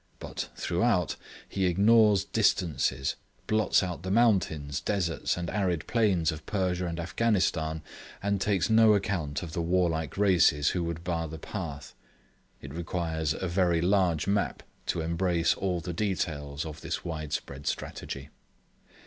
But, throughout, he ignores distances, blots out the mountains, deserts, and arid plains of Persia and Afghanistan, and takes no account of the warlike races who would bar the path. It requires a very large map to embrace all the details of this widespread strategy.